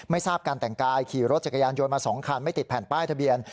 ทราบการแต่งกายขี่รถจักรยานโยนมา๒คันไม่ติดแผ่นป้ายทะเบียน